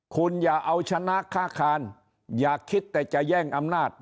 คุณอย่าเอาชนะค่าคานอย่าคิดแต่จะแย่งอำนาจ